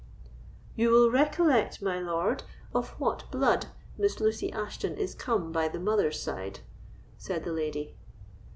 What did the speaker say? "You will recollect, my lord, of what blood Miss Lucy Ashton is come by the mother's side," said the lady.